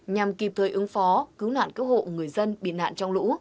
nhằm kịp thời ứng phó cứu nạn cứu hộ người dân bị nạn trong lũ